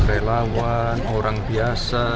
relawan orang biasa